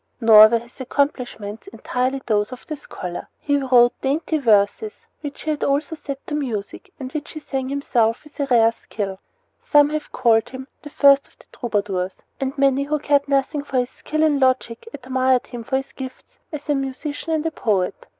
Nor were his accomplishments entirely those of the scholar. He wrote dainty verses, which he also set to music, and which he sang himself with a rare skill. Some have called him "the first of the troubadours," and many who cared nothing for his skill in logic admired him for his gifts as a musician and a poet.